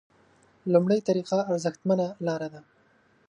لومړۍ طریقه ارزښتمنه لاره ده.